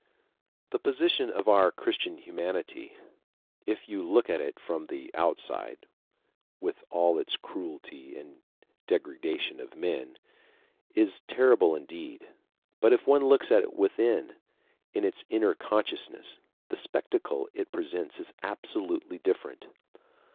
The position of our Christian humanity, if you look at it from the outside with all its cruelty and degradation of men, is terrible indeed. But if one looks at it within, in its inner consciousness, the spectacle it presents is absolutely different.